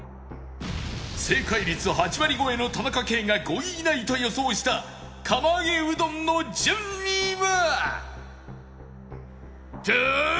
正解率８割超えの田中圭が５位以内と予想した釜揚げうどんの順位は？